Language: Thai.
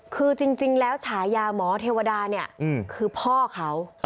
คือจริงแล้วฉายาหมอเทวดาเนี่ยคือพ่อเขา